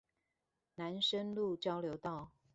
南深路交流道